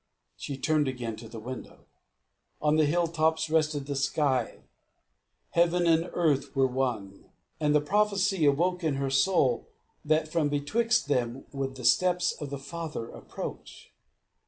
She turned again to the window. On the hilltops rested the sky: Heaven and Earth were one; and the prophecy awoke in her soul, that from betwixt them would the steps of the father approach.